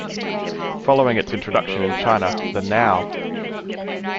Following its introduction in China, the "Now!